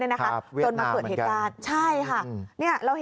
วิทยาลัยมันก็จนมีเหตุการณ์ใช่ค่ะ